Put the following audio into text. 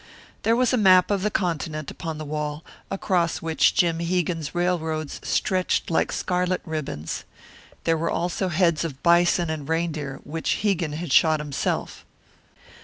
There was a map of the continent upon the wall, across which Jim Hegan's railroads stretched like scarlet ribbons. There were also heads of bison and reindeer, which Hegan had shot himself.